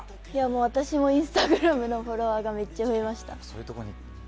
私もインスタグラムのフォロワーがめっちゃ増えました。